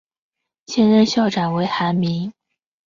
现任校长为韩民。